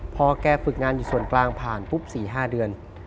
พอแกฝึกงานอยู่ส่วนกลางผ่านปุ๊บ๔๕เดือน